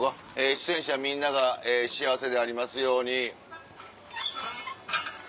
出演者みんなが幸せでありますように。